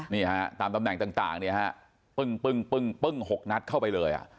นี่ฮะตามตำแหน่งต่างเนี่ยฮะปึ้งปึ้ง๖นัดเข้าไปเลย